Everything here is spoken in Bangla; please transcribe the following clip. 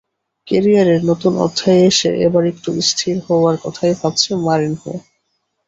ক্যারিয়ারের নতুন অধ্যায়ে এসে এবার একটু স্থির হওয়ার কথাই ভাবছেন মরিনহো।